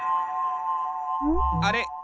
あれ？